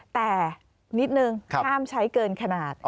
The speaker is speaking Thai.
แต่นิดนึงห้ามใช้เกินขนาด